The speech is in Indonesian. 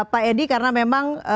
pak edi karena memang